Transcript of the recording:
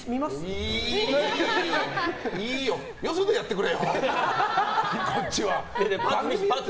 よそでやってくれ。